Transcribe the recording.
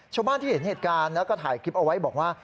ชาวบ้านที่เห็นเหตุการณ์แล้วก็ถ่ายคลิปเอาไว้บอกว่า